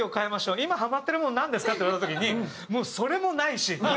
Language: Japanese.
今ハマってるものなんですか？」って言われた時にそれもないし。